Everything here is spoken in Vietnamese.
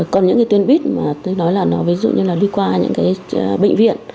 còn những cái tuyến buýt mà tôi nói là nó ví dụ như là đi qua những cái bệnh viện